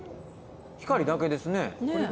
光だけですね。